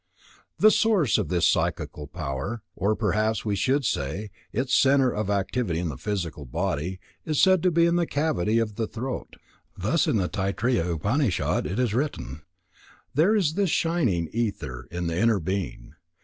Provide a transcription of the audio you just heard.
The source of this psychical power, or, perhaps we should say, its centre of activity in the physical body is said to be in the cavity of the throat. Thus, in the Taittiriya Upanishad it is written: "There is this shining ether in the inner being.